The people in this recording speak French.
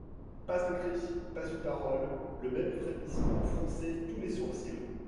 Pas un cri, pas une parole, le même frémissement fronçait tous les sourcils.